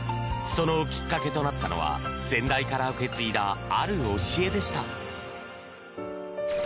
そのきっかけとなったのは先代から受け継いだある教えでした。